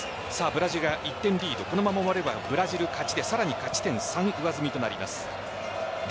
ブラジルが１点リードこのまま終わればブラジルが勝ちで、さらに勝ち点３上積みとなります。